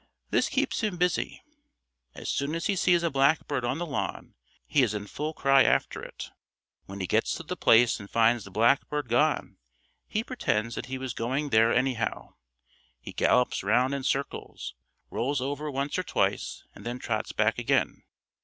This keeps him busy. As soon as he sees a blackbird on the lawn he is in full cry after it. When he gets to the place and finds the blackbird gone he pretends that he was going there anyhow; he gallops round in circles, rolls over once or twice, and then trots back again.